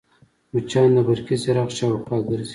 مچان د برقي څراغ شاوخوا ګرځي